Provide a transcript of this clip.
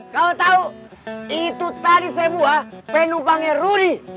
kau tahu itu tadi semua penumpangnya ruri